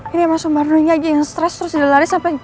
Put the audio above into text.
ini sama sumarno aja yang stress terus dia lari